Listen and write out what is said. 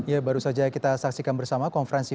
ya baru saja kita saksikan bersama konferensi